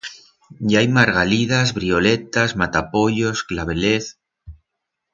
I hai margalidas, vrioletas, matapollos, clavelez...